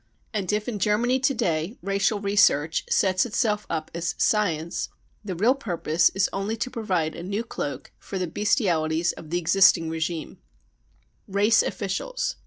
55 And if in Germany to day " racial research 55 sets itself up as " science, 55 the real purpose is only to provide a new cloak for the bestialities of the existing regime. ce Race Officials."